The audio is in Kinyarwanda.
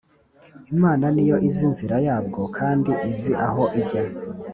Imana ni yo izi inzira yabwo kandi izi aho ijya